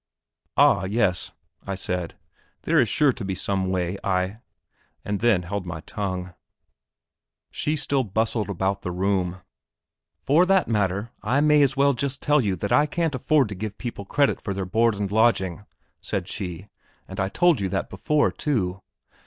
"Ah, yes," I said, "there is sure to be some way!" and then held my tongue. She still bustled about the room. "For that matter, I may as well just tell you that I can't afford to give people credit for their board and lodging," said she, "and I told you that before, too."